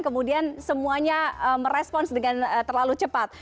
kemudian semuanya merespons dengan terlalu cepat